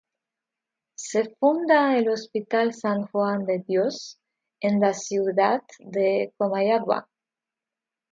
Se funda el Hospital San Juan de Dios en la ciudad de Comayagua.